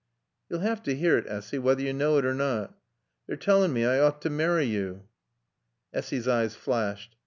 "Yo'll 'ave t' 'ear it, Essy, whether yo' knaw it or not. They're tallin' mae I ought to marry yo'." Essy's eyes flashed.